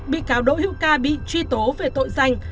bị cáo đỗ hữu ca bị truy tố về tội danh